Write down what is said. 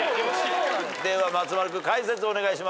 では松丸君解説お願いします。